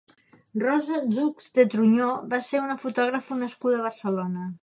Rosa Szücs de Truñó va ser una fotògrafa nascuda a Barcelona.